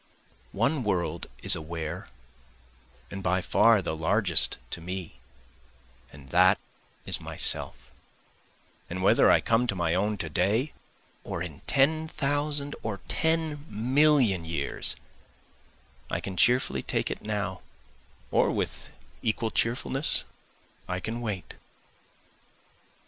One world is aware and by far the largest to me, and that is myself, And whether I come to my own to day or in ten thousand or ten million years, I can cheerfully take it now, or with equal cheerfulness I can wait.